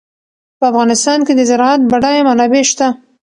په افغانستان کې د زراعت بډایه منابع شته.